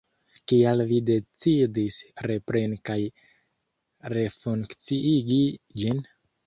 Kial vi decidis repreni kaj refunkciigi ĝin?